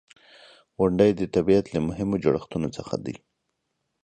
• غونډۍ د طبیعت له مهمو جوړښتونو څخه دي.